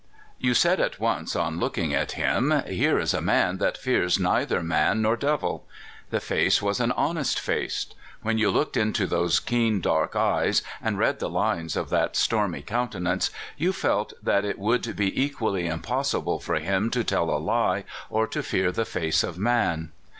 You said at once, on looking at him, Here is a man that fears neither man nor devil. The face was an honest face. When you looked into those keen, dark eyes, and read the lines of that stormy countenance, you felt that it would be equally (229) 230 CALIFORNIA SKETCHES. impossible for him to tell a lie or to fear the face of man.